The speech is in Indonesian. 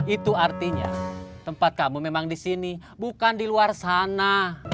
itu artinya tempat kamu memang di sini bukan di luar sana